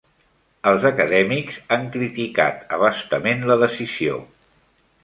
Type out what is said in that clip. Els acadèmics han criticat abastament la decisió.